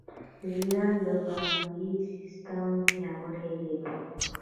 د ایران بانکي سیستم پیاوړی دی.